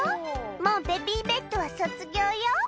「もうベビーベッドは卒業よ」